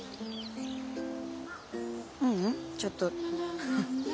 ううんちょっとハハ。